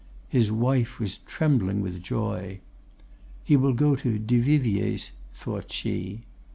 His wife was trembling with joy. "'He will go to Duvivier's,' thought she.